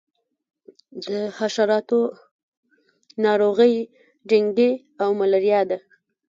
د حشراتو ناروغۍ ډینګي او ملیریا دي.